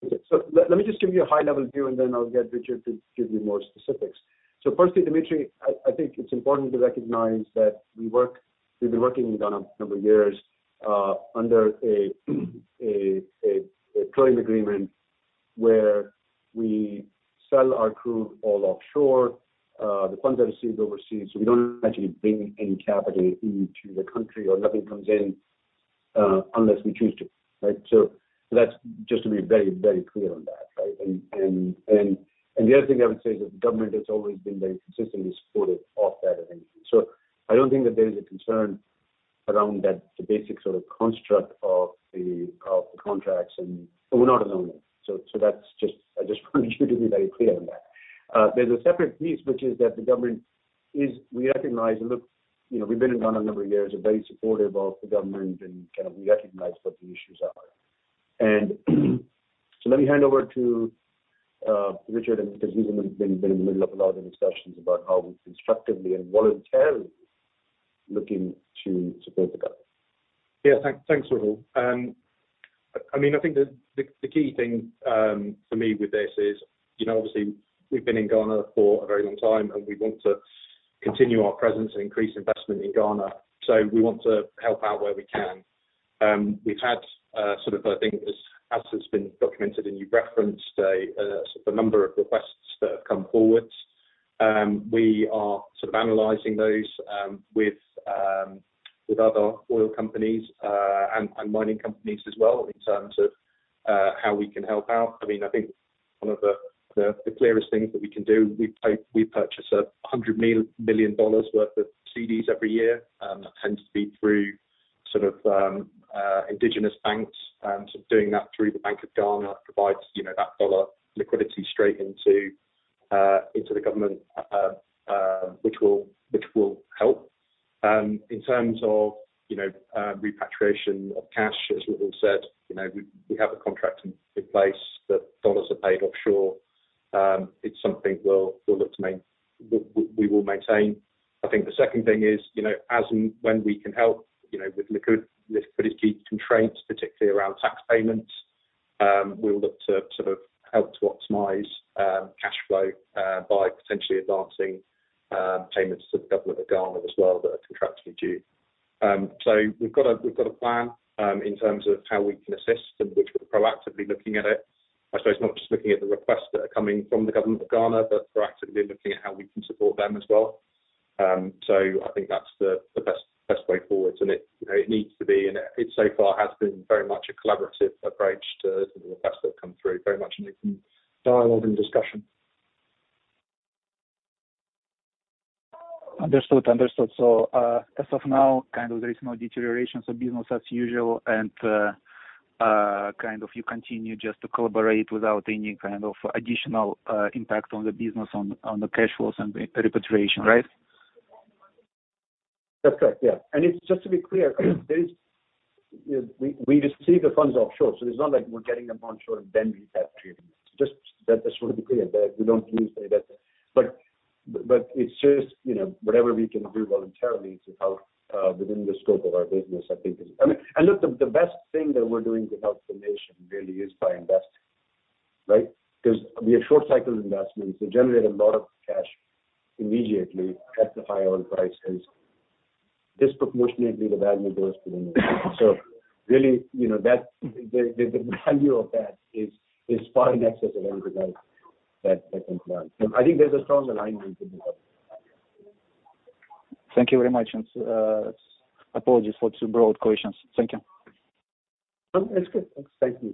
Speaker 1: Let me just give you a high level view and then I'll get Richard to give you more specifics. Firstly, Dmitry, I think it's important to recognize that we've been working in Ghana a number of years under a trading agreement where we sell our crude oil offshore, the funds are received overseas, so we don't actually bring any capital into the country or nothing comes in unless we choose to. Right? That's just to be very, very clear on that. Right? The other thing I would say is the government has always been very consistently supportive of that arrangement. I don't think that there is a concern around that, the basic sort of construct of the contracts and we're not alone. That's just... I just wanted you to be very clear on that. There's a separate piece which is that the government is. We recognize, look, you know, we've been in Ghana a number of years. We're very supportive of the government and kind of we recognize what the issues are. Let me hand over to Richard, and because he's been in the middle of a lot of the discussions about how we're constructively and voluntarily looking to support the government.
Speaker 2: Yeah. Thanks, Rahul. I mean, I think the key thing for me with this is, you know, obviously we've been in Ghana for a very long time, and we want to continue our presence and increase investment in Ghana. We want to help out where we can. We've had sort of, I think as has been documented and you've referenced a number of requests that have come forward. We are sort of analyzing those with other oil companies and mining companies as well in terms of how we can help out. I mean, I think one of the clearest things that we can do, we purchase $100 million worth of cedis every year. That tends to be through sort of indigenous banks. Doing that through the Bank of Ghana provides, you know, that dollar liquidity straight into the government, which will help. In terms of, you know, repatriation of cash, as Rahul said, you know, we have a contract in place that dollars are paid offshore. It's something we will maintain. I think the second thing is, you know, as and when we can help, you know, with liquidity constraints, particularly around tax payments, we'll look to sort of help to optimize, cash flow, by potentially advancing, payments to the Government of Ghana as well that are contractually due. We've got a plan, in terms of how we can assist and which we're proactively looking at it. I suppose not just looking at the requests that are coming from the Government of Ghana, but proactively looking at how we can support them as well. I think that's the best way forward. It, you know, needs to be, and it so far has been very much a collaborative approach to some of the requests that have come through, very much an open dialogue and discussion.
Speaker 8: Understood. As of now, kind of there is no deterioration, so business as usual and kind of you continue just to collaborate without any kind of additional impact on the business, on the cash flows and the repatriation, right?
Speaker 1: That's correct. Yeah, it's just to be clear, there is. We receive the funds offshore, so it's not like we're getting them onshore and then repatriating. Just that, just want to be clear that we don't use any of that. But it's just, you know, whatever we can do voluntarily to help within the scope of our business, I think is. I mean, look, the best thing that we're doing to help the nation really is by investing, right? 'Cause we have short cycle investments that generate a lot of cash immediately at the high oil prices. Disproportionately the value goes to the nation. Really, you know, that, the value of that is far in excess of any divide that can come. I think there's a strong alignment in that.
Speaker 8: Thank you very much. Apologies for two broad questions. Thank you.
Speaker 1: No, it's good. Thank you.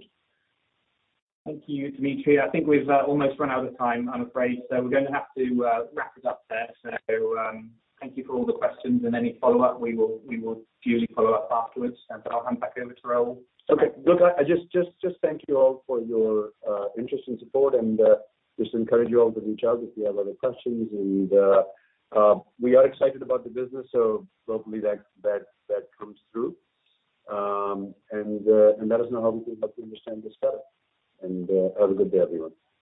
Speaker 3: Thank you, Dmitry. I think we've almost run out of time, I'm afraid. We're gonna have to wrap it up there. Thank you for all the questions and any follow-up, we will usually follow up afterwards. I'll hand back over to Rahul.
Speaker 1: Okay. Look, I just thank you all for your interest and support and just encourage you all to reach out if you have other questions. We are excited about the business, so hopefully that comes through. Let us know how we can help you understand this better. Have a good day everyone.